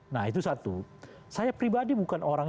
nah itu satu saya pribadi bukan orang